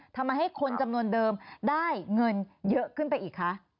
ทำให้คนจำนวนเดิมได้เงินเยอะขึ้นไปอีกคะ